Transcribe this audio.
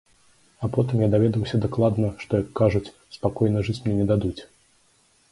А потым я даведаўся дакладна, што, як кажуць, спакойна жыць мне не дадуць.